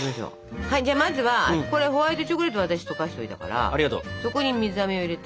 じゃあまずはホワイトチョコレートを私溶かしといたからそこに水あめを入れて。